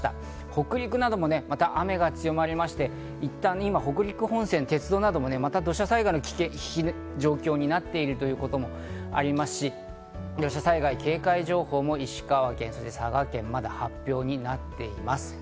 北陸などもまた雨が強まりまして、いったん北陸本線、鉄道などもまた土砂災害の危険があるという状況になっていますし、土砂災害警戒情報も石川県、佐賀県にまだ発表になっています。